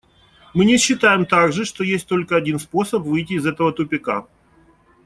Мы не считаем также, что есть только один способ выйти из этого тупика.